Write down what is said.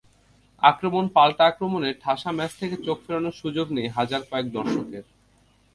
আক্রমণ-পাল্টা আক্রমণে ঠাসা ম্যাচ থেকে চোখ ফেরানোর সুযোগ নেই হাজার কয়েক দর্শকের।